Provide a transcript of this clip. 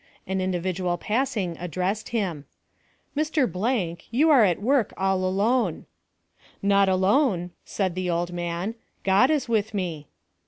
An individual passing addressed him —" Mr. , you are at work all alone." " Not alone," said the old man, " God is with me."